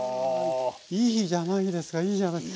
いいじゃないですかいいじゃないですか。